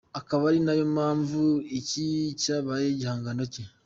Akab’ ari nayo mpamvu iki cyabaye igihangano cye.